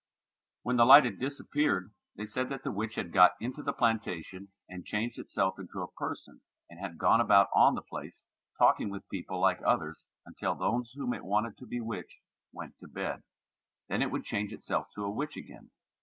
When the light had disappeared they said that the witch had got into the plantation and changed itself into a person and had gone about on the place talking with the people like others until those whom it wanted to bewitch went to bed, then it would change itself to a witch again.